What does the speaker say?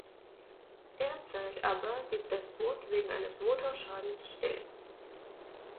Derzeit aber liegt das Boot wegen eines Motorschadens still.